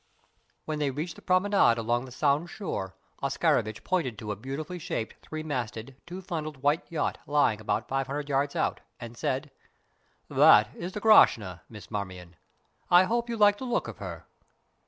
When they reached the promenade along the Sound shore Oscarovitch pointed to a beautifully shaped, three masted, two funnelled white yacht lying about five hundred yards out, and said: "That is the Grashna, Miss Marmion. I hope you like the look of her."